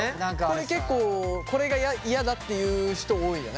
これ結構これが嫌だっていう人多いよね。